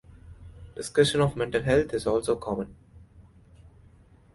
Discussion of mental health is also common.